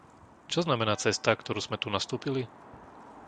Čo znamená cesta, ktorú sme tu nastúpili?